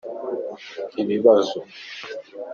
ibibazo.